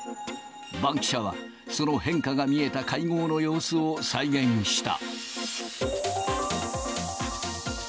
バンキシャは、その変化が見えた会合の様子を再現した。